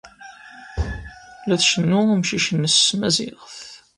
La tcennu i umcic-nnes s tmaziɣt.